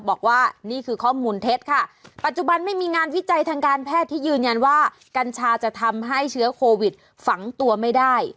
บอกว่านี่คือข้อมูลเท็จค่ะปัจจุบันไม่มีงานวิจัยทางการแพทย์ที่ยืนยันว่ากัญชาจะทำให้เชื้อโควิดฝังตัวไม่ได้